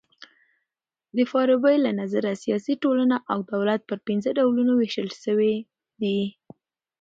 د فارابۍ له نظره سیاسي ټولنه او دولت پر پنځه ډولونو وېشل سوي دي.